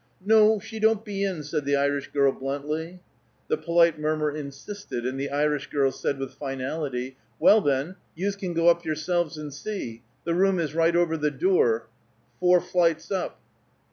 "No, she don't be in," said the Irish girl bluntly. The polite murmur insisted, and the Irish girl said, with finality, "Well, then, yous can go up yourselves and see; the room is right over the dure, four flights up."